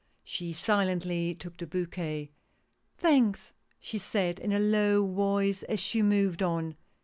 She silently took the bouquet. " Thanks," she said in a low voice, as she moved on.